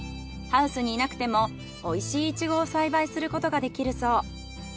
ハウスにいなくてもおいしいイチゴを栽培することができるそう。